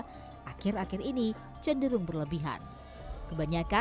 habis kan itu itu setahun ini